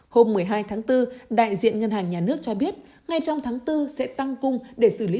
hôm một mươi hai tháng bốn đại diện ngân hàng nhà nước cho biết ngay trong tháng bốn sẽ tăng cung để xử lý